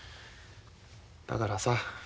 だからさ